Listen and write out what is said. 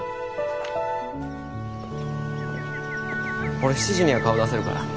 俺７時には顔出せるから。